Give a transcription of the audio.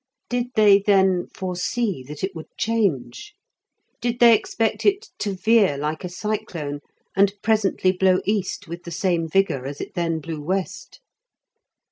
Did they, then, foresee that it would change? Did they expect it to veer like a cyclone and presently blow east with the same vigour as it then blew west?